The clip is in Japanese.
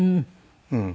うん。